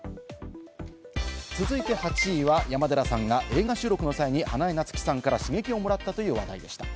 続いて８位は山寺さんが映画収録の際に花江夏樹さんから刺激をもらったという話題です。